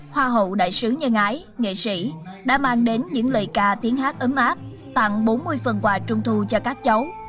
hoa hậu đại sứ nhân ái nghệ sĩ đã mang đến những lời ca tiếng hát ấm áp tặng bốn mươi phần quà trung thu cho các cháu